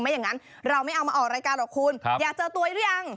อย่างนั้นเราไม่เอามาออกรายการหรอกคุณอยากเจอตัวหรือยัง